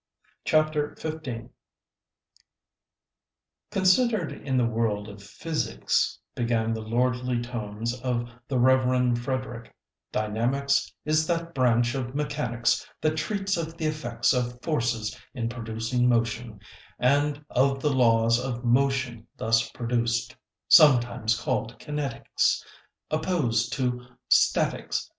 CHAPTER XV "Considered in the world of physics," began the lordly tones of the Reverend Frederick, "dynamics is that branch of mechanics that treats of the effects of forces in producing motion, and of the laws of motion thus produced; sometimes called kinetics, opposed to statics.